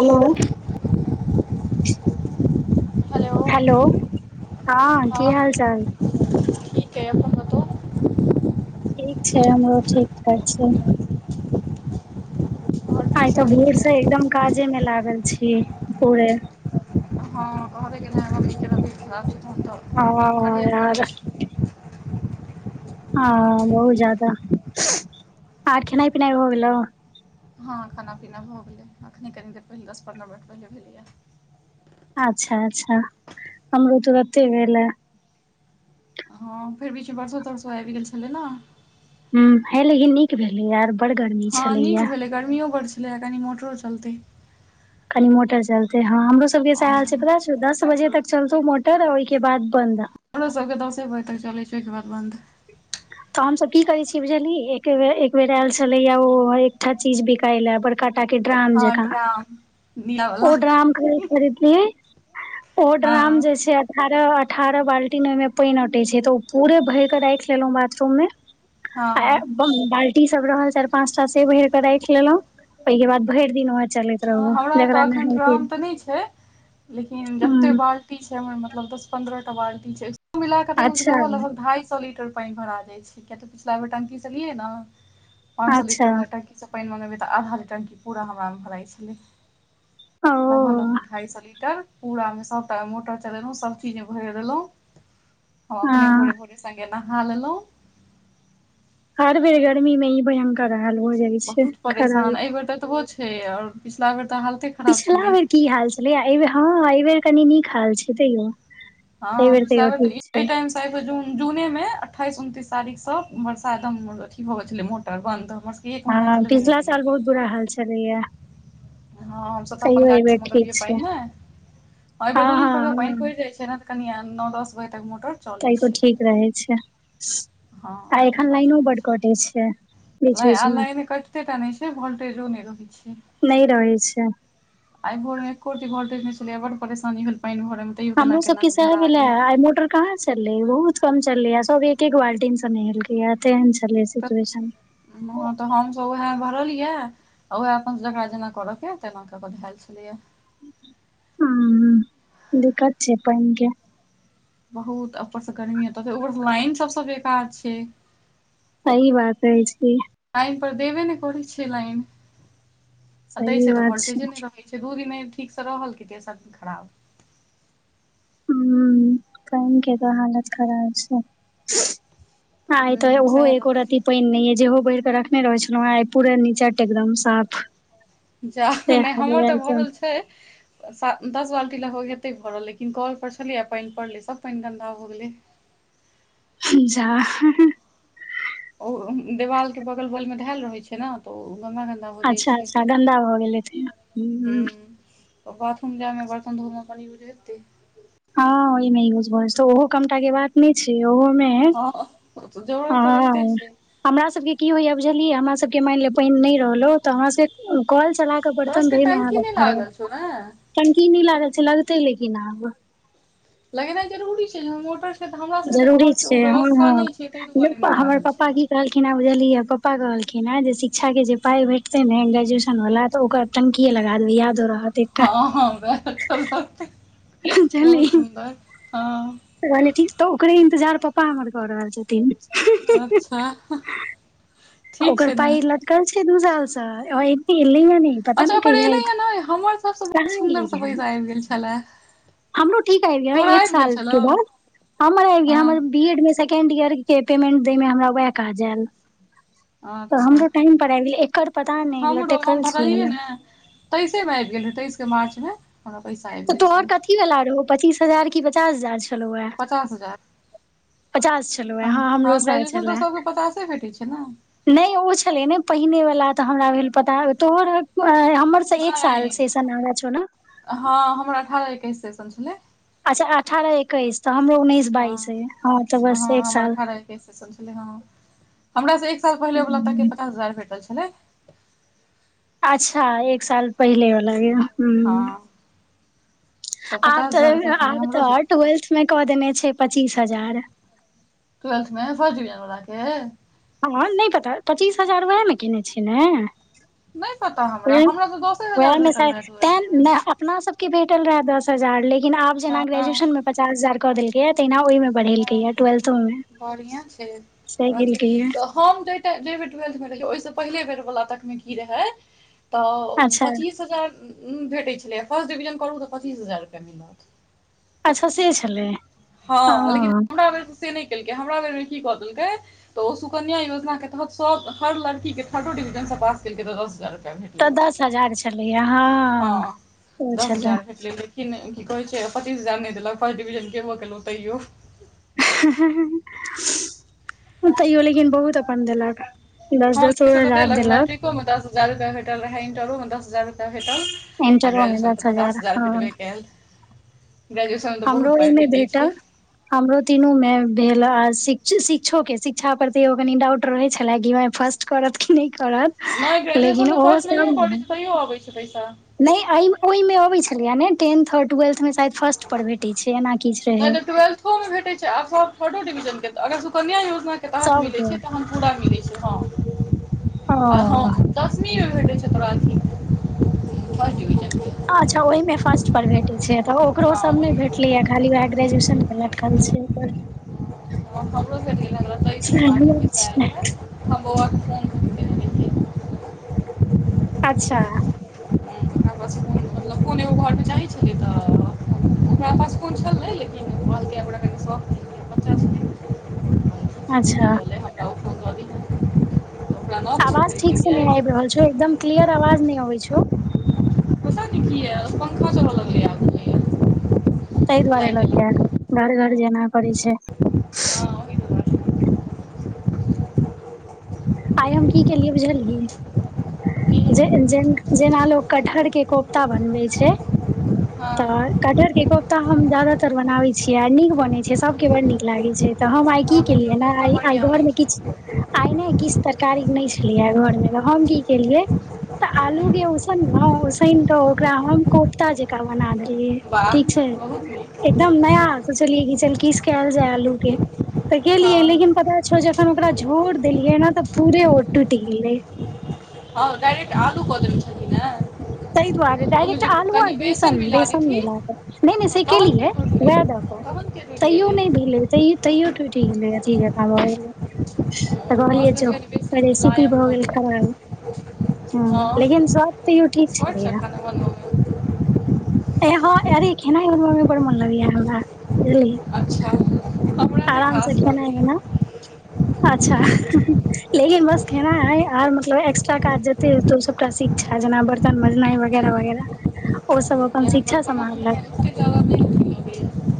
Hello hello hello हँं की हाल हँ चाल ठीक अइ अपन बताउ ठीक छै हमरो ठीक ठाक छै आओर की आइ तऽ सब होइ भोर से छै एकदम काजे में लागल छी पूरे हँ कह कि ब [inaudible] साफ [unintelligible] ह याद हँ बहुत ज्यादा आर खेनाइ पिनाइ ठीक। भ‌ए गेलौ हँ खाना पीना भ गेलय अखने कनी देर पहिले दस पन्द्रह मिनट पहिले भेलैए अच्छ अच्छ हमरो तुरते भेला हँ फेर बिीछ बरसो तरसो आ भी गेल छलै ने [unintelligible] ह हे लेकिन नीक भेलै यार बड़ गर्मी हँ नीक छलैया भेलै गर्मियो बढ़ छलै कनि मोटरो चलतै कनी मोटर चलते हँ हमरो सबके ओ सैहै हाल छै पता हमरो दस बजे तक चलतौ मोटर आ ओहिके बाद बन्द ह हमरो सभके दसे बज तक चलय छै ओहिके बाद बन्द तऽ हमसभ की करय छियै से बुझलिहि एके बेर एक बेर आयल छलैया ओ एकटा चीज बिकायला पर काटाक ड्राम हँ जकाँ ड्राम ओ दियावला ड्राम के खरीदल ओ ड्राम हँ जे छै अठारह अठारह बाल्टीिन ओहिमे पानि अटे छै तऽ ओ पूरे भर के राखि लेलहुँ बाथरूम में आ हँ ब बाल्टी सब रहल चार पांच टा से भरि के राख लेलहुं ओहिके बाद भरि दिन चलैत रहू ल [unintelligible] जकरा तीस नहायके में ह मतलब दस पन्द्रहटा बाल्टी छय कुल मिलाकर तयो अच्छा लगभग लगभग ढाई सौ लीटर [unintelligible] पानि अच्छा मँंगेबै तऽ आधा लीटर क पूरा हमरामे भराइ छलै ओ नह न ढाइ स लिटर पूरा में सबटा मे मोटर चलेलों सब चीज मे भोरे देलों हम हँ अपने भोरे भोरे सगे नहा ललो हर बेर गर्मी मे ई भयंकर हाल भ‌ए जाइ छै खराब करत तऽ बहुत छै छै आओर पिछिला बेर तऽ हालते खराब पिछिला छलै बेर की हाल छलै है एहि बेर कनी नीक हाल छै तैयौ एहि बेर तयो ठीक छै सब जून जूनेमे अठ्ठाइस उनतीस तारीखसँ बरसात हम अथी भऽ गेल छलै मोटर बन्द हमर सब हँ पिछला साल बहुत बुरा हाल छलैय हँ हमस तऽ अपन गाड़ी से ठीक मगबियै छै पानि हँ नेर दू दिन पर हँ पानि हँ पड़ि जाइ छै ने कनि नओ दस बजे तक मोटर चलै त एकको छै ठीक रहै छै आ हँ एखन लाइनो बड कटे छै बीच लाइन बीच आ मे लाइन कटतो टा नहि छै भोल्टेजो नहि रहै छै नहि रहै छै आइ भोरमे एकोरति भोलटेज नहि छलैया बड परेशानी भेल पानि भर‌ए में हमरो सबके सह भेल है आइ मोटर कहाँ चल रहेै बहुत कम चललै सब एक एक बाल्टीिन से नहल गा तेहन चलै सिचुएशन वहँ तऽ हमसभ उएह भरल यै आ ओहै अपन काज जेकरा जेना कर के तेना क हेल छलियै ह दिक्कत छै पाइन के बहुत ऊपरसँ गर्मी हेते ऊपर लाइन सबसँ बेकार छै सही बात कहय छथिन्ह लइन पर देबे ने करै छै लाइन आ दय सही छै तऽ बात वोल्टेजे नहि रख दू दिन ठीक से रहल की तेसर दिन खराब ह कम केत हालत खराब छै ह आत ओ होे सएह कोराति रहल [unintelligible] पानि नहि यै जेहो भरी के रखने रहे छलौं हैं आइ पूरा नीचट एकदम साफ जा नहि हमर तऽ भरल छै दस बाल्टी लए हो हतै घरल लेकिन कॉल पर छलियै पानि पड़लै सभ पानि गन्दा हो गेलै जा ओ देवाल के बगल बगल में धेयल रहे छै ने तो ओ गंगा गंगा मे अच्छा अच्छा गन्दा भऽ गेलेे ह हूँ बाथरूम जायमे बर्तन धोमे कनि यूज हेतै हँ ओ मे यूज भ छै ओहो कमटा के बात नहि छै ओहो मे हँ ओ तऽ जरूरत तऽ रहतै छै हमरा सब के की होइय बुझलियै हमरा सबके मानि लिय पानि नहि रहलो त हमरा सब के कोल चला के तोरा बर्तन सबके धोए मे टंकी हालत नहि ख लागल छौ ने टंकी न लागल छै लगते लेकिन आब [unintelligible] लगेनाइ जरूरी छै जहन मोटर हमरा सब के तऽ जरूरी घर के ओ छै हँ व्यवस्था न छै ताहि दुआरे नहि लागल छै कहखिन हेँ बुझलियै पापा कहलखिन हेँ जे शिक्षा के जे पाइ भेटते ने ग्रेजुएशन वालला तऽ ओकर टंकीए लगा देबै यादो रहत एकटा हँ हँ व‌एह ठल लगतय बहुत सुन्दर हँ त कहलियै ठीक तऽ ओकरे इन्तजार पापा हमर क रहल छथिन अच्छा ठीक ओकर छै ने पाई लटकल छै दू साल से एत एलै ये ने अच्छा ओकर एले है नहि हमर सबसँ बड़ कहाँ एलै सुन्दरसँ हन पैसा आबि गेल छलै हमरो ठीक आए है एक साल के बाद हमर आ हँ हमर बी एड मे सेकेंड ईयर के पेमेंट दै मे हमरा वएह काज आयल तऽ हमरो अच्छा टाइम पर आब गेल एकर पता नहि लटकल छै तेइसे में आबि गेल है तेइस के मार्च मे तऽ तोहर कथीवला रहौ पच्चीस हजार कि पचास हजार छलौ‌एहा पचास हजार छलौ हे हँ ह हमरो सएह ग्रेजुएशन तऽ छले सबके पचासे भेटै छै ने नहि ओ छलै ने पहिने वाला तऽ हमरा भेल पता तोहर हमर एक नहि साल से ऐसा नाराज हो ने हँ हमरा अठारह एकैस सेशन छलै अच्छा अठारह एकैस तऽ हमरो उन्नैस हँ बाइस हय हँ तऽ बस एक साल ह हमर से एक साल पहिले ओ हम्म, पचास हजार भेटल छलै अच्छा एक साल पहिले वला के हँ ह तऽ आब पचास हजार तऽ रुपैआ आ छलै हमरो तऽ टूवेलथ मे कऽ देने छै पचीस हजार ट्वेलथमे फर्स्टडिवजन बलाके हँ नहि पता पचीस हजार ओएहमे कने छियै ने नहि पता हमरा पेन हमरा तऽ दसे व‌एह हजार में भेटल रहै साइठटा ट्वेल्थमे नया अपना सबके भेटल रहै दस हजार लेकिन आब जेना हँ ग्रेजुएशनमे पचास हजार कऽ देलकैया तहिना ओहिमे बढ़ेलकै हँ या ट्वेल्थो मे बढ़िआँ छै सहि हमरा सबके केलकय या तऽ हम ट्वेल्थ मे रहियौ ओहिसँ पहिले बेर वला तक मे की रहे तऽ अच्छा पच्चीस हजार भेटैत छलै फर्स्ट डिवीजन करू तऽ पचीस हजार रुपआ मिलत अच्छा से छलै ओ हँ लेकिन हमरा बेर से नहि केलकय हमरा बेर मे की कऽ देलकय तऽ ओ सुकन्या योजना के तहत सभ हर लड़की के थर्डो डिवीजन से पास केलकै रहऽ दस हजार रुपैआ तऽ भेटलै दस हजार छलैए हँ ओ छलै कि की कह छै पचीस हजार नहि देलक फर्स्ट डिवीजन केबो केलहुँ तैयो तैयो लेकिन बहुत अपन देलक दस हँ दस तऽ हजार देलक मैट्रिकोमे दस हजार रुपआ भेटल रहै इंटरो मे दस हजार रुपआ भेटल आ इंटरो मे ग्रजुएशन तऽ दस पचास हजार हँ भेटबे केल ग्रुएशन हमरो एहिमे भेटा हमरो तीनू मे भेल श शिक्षोक के शिक्षा पर त एगो कनि डाउट रहे छले कि मे फर्स्ट करत कि नहि करत नहि लेकिन ग्रेजुएशनमे ओहो फर्स्टमे इयो सब करै छै तैयो अबै छै पैसा नहि एहिमे ओहिमे अबै छलैए ने टेन्थ आओर ट्वेल्थमे शायद फर्स्ट पर भेटैत छै एना किछु रहै अहोमे भेटे छै आब सब थर्डो डिवीजन के अगर सुकन्या योजना बाद मिलै सबके छै तहन पूरा मिलै छै हाँ आ हाँ ओ दशमीमे भेटै छै तोरा अथी फर्स्टविजन अच्छा ओहिमे फर्स्ट पर भेटैय छै तऽ ओकरो हँ सब नहि ओहिमे भेटलैए खाली वएह ग्रेजुएशन के लटकल छै ओकर [unintelligible] [unintelligible] हाँ बौआ के फॉर्म भरबेने रहियै अच्छा [unintelligible] त ओकरा पास फोन छलै लेकिन कहलकेै कनि शौक [unintelligible] अच्छा तऽ ओकरा नव फोन आवाज ठीक से खरीदलियै नहि आबि रहल छौ एकदम क्लियर आवाज नहि आबै छौ पता न कियाऽ पंखा चलय लगलै आगू मे तै दुआारे लाइट लगै एलै या घर्र -घर्र जेना करै छै हाँ ओहि दुआरे आइ हम की केलियै बुझलहीं जे-जे- जेना लोक कटहरके कोफ्ता बनबै छै हँ तऽ कटहर के कोफ्ता हम जदातर बनाबै छियै नीक बनय छै सब के बड्ड नीक लागै छै तऽ हम आइ की पेट्रोल केलियै तऽ ने ओतऽ आइ बढ़िआँ होइ घरमे छै किछ आइ नहि किछ तरकारी नहि छलै या घरमे हम की केलियै तऽ आलूके उसैनलहूँ उसैन कऽ ओकरा हम कोपता जंका बनादेलीयै वाह ठीक छै बहुत नीक एकदम नया सोचलियै की चल किछ काएल जाय आलूके फेर केलियै हँ लेकिन पता छो जे तखन ओकरा झोर देलियै न तऽ पूरे ओ टूटि गेलै हाँ डायरेक्ट आलू कऽ देने छलहीं न ताहि दुआरे डायरेक्ट आलू और बेसन मिला बेसन देथिन मिला कऽ नहि नहि से तहन के केलियै टूटि वएह गेलै दऽ कऽ तहन के टूटि तैयो गेलै नहि भेलै तैयो तैयो टुटि गेलै अथि जंका भऽ गेलै तऽ कहलियै साउस मे जो कनि बेसी रेसिपी मुलायम भऽ गेल गेलै खराब हूँ लेकिन सब होइ छै एखन ओहन उ ऐंह अरे खेनाय बनबै मे बड़ मन लागै या हमरा बुझलहीं अच्छा हमरा नहि आराम से खास खेनाय लगैए बनाउ अच्छा लेकिन बस खेनाय आओर मतलब एक्स्ट्रा काज जेते हेतो सबटा सीख- जेना बर्तन मजनाइ वगैरह वगैरह ओ सब अपन या हमरा शिक्षा खाना बनबयमे समाहरलक ओतेक ज्यादा नहि अथी लगैए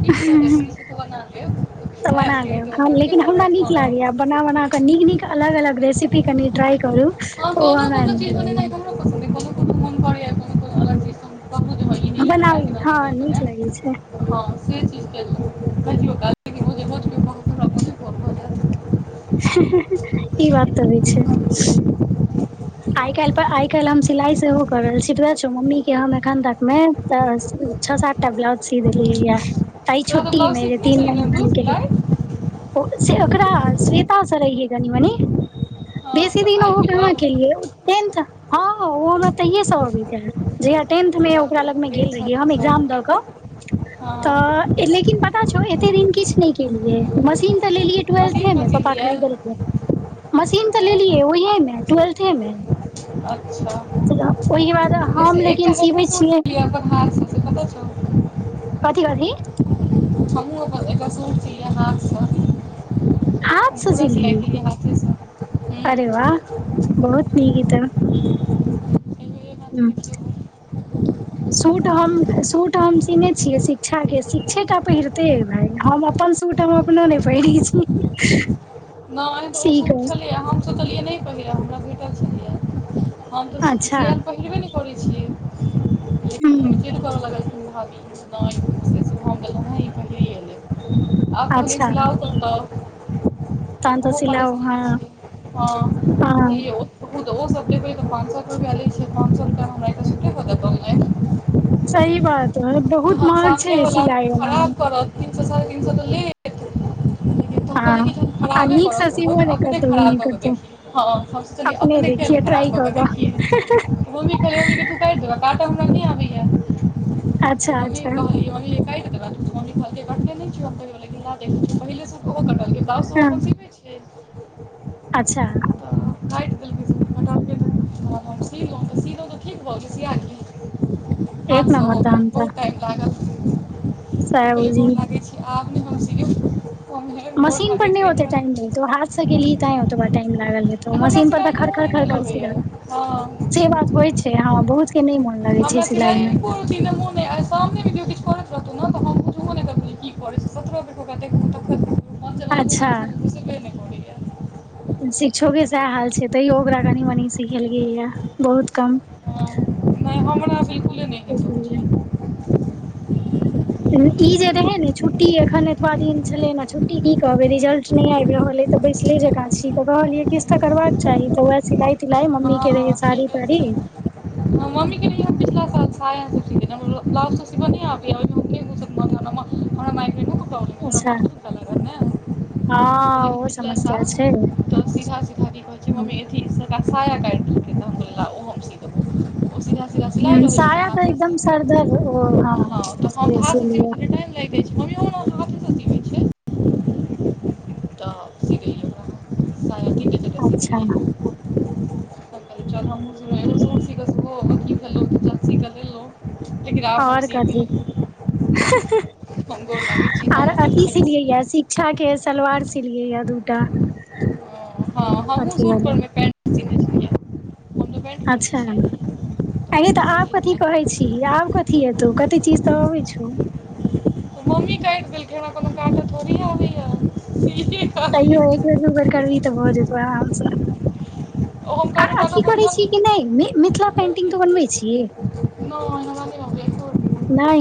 ठीक छै जरूरी छै तऽ बना लेब तऽ बना खायल पियै लेब तऽ हाँ बनबे लेकिन हमरा करब नीक हँ लागैया बना बना कऽ नीक नीक अलग अलग रेसिपी कनि ट्राई करू हँ तऽ ओ कोनो हमरा कोनो नीक चीज बनेनाइ लागैया कोनो कोनो मन करैया कोनो कोनो अलग कहू जे हँ ई हमरा लागैया हाँ नीक लागै छै हाँ से चीज केलहूँ कहियो काल [unintelligible] ई बात तऽ होइ छै आइ काल्हि पर आइ काल्हि हम सिलाई सेहो कर रहल छी सीखबे छो मम्मी के हम एखन तकमे तऽ छऽ सातटा ब्लाउज सी देलियै या अइ तोरा तऽ ब्लाउज छुट्टीमे सिखने तीन छली ने महना तू जे केलियै सिलाइ ओ से ओकरा श्वेता से रहियै कनी मनी हँ बेसी तऽ दिन ओहो आबि गेलौ कहाँ केलियै पेंट हाँ ओ हमरा तैएह सँ आबैत रहाए जहिया टेंथ मे ओकरा लगमे तेज गेल रहियै छलही हम एक्जाम सब दऽ कऽ हँ त लेकिन पता छौ एते दिन किछ नहि केलियै मशीन तऽ लेलियै ट्वेल्थे मशीन में पर पापा सिलिहे खड़ी ब मशीन तऽ लेलियए ओहे मे ट्वेलथ मे अच्छा ओहिके बाद हम लेकिन सिबै छियै खास छै से कतौ छ [unintelligible] कथी कहली हमहूँ अपन बेकसूर छी हाथसँ [unintelligible] आज सिलाइ सिलिये केलियै हाथेसँ हूँ अरे वाह बहुत नीक इ तऽ एहिबेर एना तऽ हू देखियौ सूट हम सूट हम सीने छियै शिक्षाके शिक्षका पहिरते भाय हम अपन सूटामे अपनाने पै नहि ए तऽ ओ सूट छलैए हम सोचलियै नहि पहिरे हमरा भेटल छलै हम तऽ अच्छा सिआल पहिरबे नहि करै छियै हू गेललै [unintelligible] आ कॉलेज अच्छा लओततऽ त तऽ स ला ओ हँ छै हँ सब हँ [unintelligible] पाँच सए केआ ले छै पाँंच सएुआ हमराटे होतौमे सही बात ह बहुत तहन महग छै ए सामनेवला सिलाय वला मे खराब करत तीन स साढ़े जीन स तोै हँ आ खराबे नीक करत से ओहो सिबो तऽ नहि अपने करतौ ई खराब नहि कऽ केऽ करतौ देखी हँ हम सैचलियै अपने किया नहि खराब कऽ देखिय वो भी खे होी क त कि देबऽ क तऽ हमरा नहि आबैया अच्छा मम्मी अच्छा कहल मम्मी काि देबऽ तमनी खलके कटे नहि पहि कल हँ ब् [unintelligible] छै [unintelligible] अच्छा तऽ काटि देलकै बटाबके हम सीहुँ तऽ सिलहुँ तऽ ठीक भऽ गेल सिया गेल एक नंबर तहन तऽ हम साहब कहलियै जी गोर लागै छी आब नहि हम सियौ मम्मी गोर मशीन पर लागै नहि छी एहि होते टाइम दुआरे लो हाथसँ के ली तें तो बा टाइम लागलै त हमरा मशीन पर तऽ सिलाइके खर खर मोने नहि खरर लगैए हँ से बात होइ छै हँ बहुत के नहि मन लगै छै पास सिलाई लाइ मे कोू तीन मोहने सामने भ [unintelligible] किछु कर रहतौ ने तऽ हम बुछ नहि देख जे की करै छै सत्रह रटका देखू त अच्छा शिक्षो के सएह हाल छै तैयो ओकरा कनी मनी सिखेलकै यए बहुत कम ह नहि हमरा बिलकुल नहि ओ हेतौ [unintelligible] ठीक ई जे रहै ने छुट्टी एखन एतबा दिन छलै ने छुट्टी की कहबै रिजल्ट नहि आबि रहल अछि तऽ बैसले जकाँ छी तऽ कहलियै किछु तऽ करबाक चाही तऽ वएह सिलाई तिलाई मम्मी हँ के हँ रहे साड़ी ठीके ताड़ी छै मम्मी के लिए पिछला साल लास्ट शिवन्या हम [unintelligible] अच्छा समय घटने हँ ओहो समस्या छै ह ाया का [unintelligible] टि देलकै त बोल ओ हम सी देब हं साया तऽ एकदम सरदर ओ हँ तऽ हम से तऽ हाथसँ सीबै छलैया छलियै टाइम लागि जाय छै मम्मियो हमर हाथेसँ सीबय छै तऽ सी देलियै ओकरा साया कीन कऽ अच्छा च [unintelligible] और कथी सीबै हंहं गोर लागि छि हमो कि सिलियै या शिक्षा के सलवार सिलियै या दूटा हँ हमहूँ अथी सूट वाला परमे पेन्ट सिने छलियै हम तऽ पैंट पहिरै अच्छा छियै ऐंगय फेर तऽ आब सिलय कथी लए कहय तऽ छिही आब कथी एतौ कते चीज तऽ अबय छौ त मम्मी काटि देलकै हमरा कोनो काट थोड़ी आबैया दीदी क तेयो एक बेर दू बेर करबी त भ जेतौ आराम सँ ओ हम आर कहलहुँ अथी तकर करै बदला छिही कि नहि मि मिथिला पेंटिंग नहि तू बनबै छिही हमरा नहि अबैए छोड़ नहि